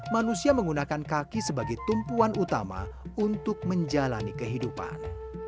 manusia menggunakan kaki sebagai tumpuan utama untuk menjalani kehidupan